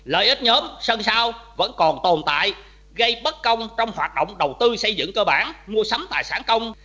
lợi ích nhóm sân sao vẫn còn tồn tại gây bất công trong hoạt động đầu tư xây dựng cơ bản mua sắm tài sản công